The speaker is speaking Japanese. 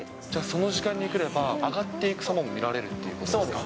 その時間に来れば、上がっていくさまも見られるということですか？